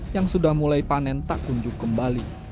yang sudah mulai panen tak kunjung kembali